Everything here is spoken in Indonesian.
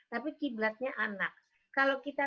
tapi kiblatnya anak kalau kita